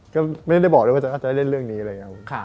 ก็ไม่ได้บอกด้วยว่าจะได้เล่นเรื่องนี้เลย